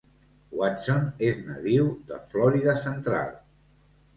Watson és nadiu de Florida central.